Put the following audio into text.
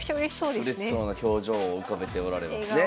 うれしそうな表情を浮かべておられますね。